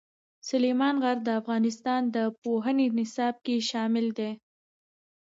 سلیمان غر د افغانستان د پوهنې نصاب کې شامل دي.